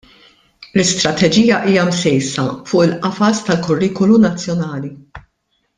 L-Istrateġija hija msejsa fuq il-Qafas tal-Kurrikulu Nazzjonali.